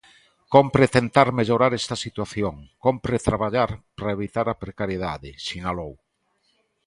Cómpre tentar mellorar esta situación, cómpre traballar para evitar a precariedade, sinalou.